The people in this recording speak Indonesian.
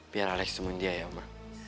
biar alex temuin dia ya oma